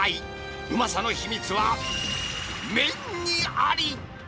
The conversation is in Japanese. うまさの秘密は、麺にあり。